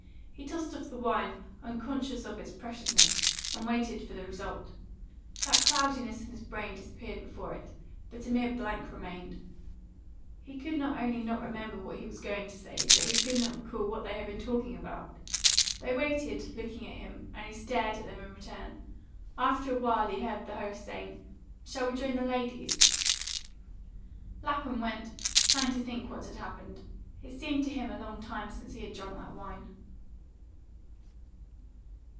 He tossed off the wine, unconscious of its preciousness, and waited for the result. That cloudiness in his brain disappeared before it, but a mere blank remained. He not only could not remember what he was going to say, but he could not recall what they had been talking about. They waited, looking at him, and he stared at them in return. After a while he heard the host saying, "Shall we join the ladies?" Lapham went, trying to think what had happened. It seemed to him a long time since he had drunk that wine.